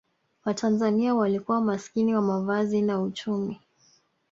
watanzania walikuwa maskini wa mavazi na uchumi